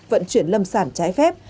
vận chuyển lâm sản trái phép